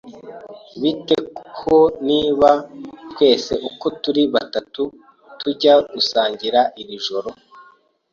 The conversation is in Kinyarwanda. Bite ho niba twese uko turi batatu tujya gusangira iri joro?